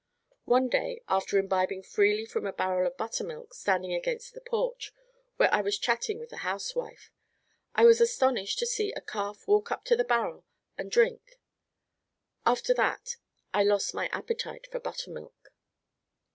One day, after imbibing freely from a barrel of buttermilk, standing against the porch, where I was chatting with the housewife, I was astonished to see a calf walk up to the barrel and drink. After that I lost my appetite for buttermilk.